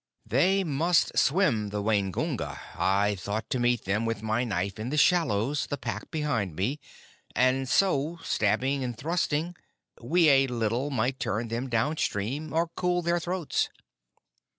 "They must swim the Waingunga. I thought to meet them with my knife in the shallows, the Pack behind me; and so stabbing and thrusting we a little might turn them down stream, or cool their throats."